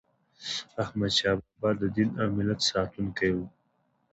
احمدشاه بابا د دین او ملت ساتونکی و.